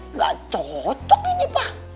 nggak cocok ini pa